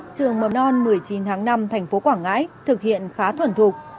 trường mầm non một mươi chín tháng năm thành phố quảng ngãi thực hiện khá thuần thục